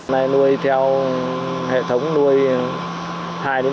này nuôi theo hệ thống nuôi hai ba giai đoạn